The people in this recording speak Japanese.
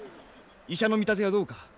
医者の見立てはどうか？